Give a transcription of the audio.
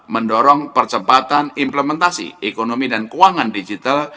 mendorong percepatan implementasi ekonomi dan keuangan digital